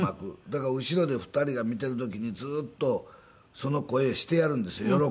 だから後ろで２人が見てる時にずっとその声してやるんですよ喜ぶ思うからね。